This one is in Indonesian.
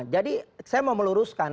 jadi saya mau meluruskan